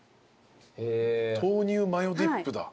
豆乳マヨディップだ。